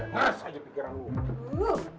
ngeras aja pikiran gua